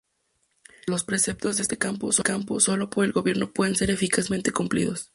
Los preceptos de este campo, solo por el Gobierno pueden ser eficazmente cumplidos.